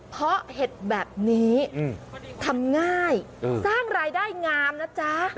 เพราะเห็ดแบบนี้ทำง่ายสร้างรายได้งามนะจ๊ะ